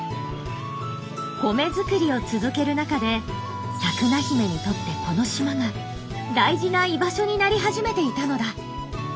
米作りを続ける中でサクナヒメにとってこの島が大事な居場所になり始めていたのだ。